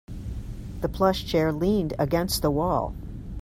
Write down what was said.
The plush chair leaned against the wall.